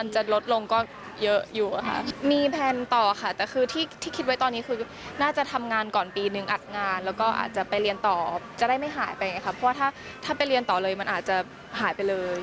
จะได้ไม่หายไปไงค่ะเพราะว่าถ้าไปเรียนต่อเลยมันอาจจะหายไปเลย